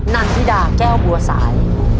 ันธิดาแก้วบัวสาย